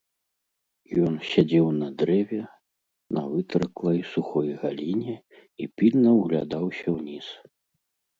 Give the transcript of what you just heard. Ён сядзеў на дрэве, на вытырклай сухой галіне і пільна ўглядаўся ўніз.